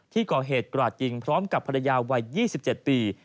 ที่ก่อเหตุกราดยิงพร้อมกับภรรยาวัย๒๗ปี